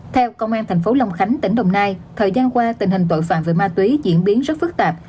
theo công an thành phố long khánh tỉnh đồng nai thời gian qua tình hình tội phạm về ma túy diễn biến rất phức tạp